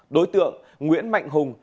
đối tượng nguyễn mạnh hùng